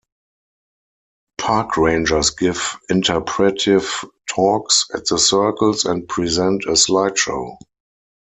Park rangers give interpretive talks at the circles and present a slide show.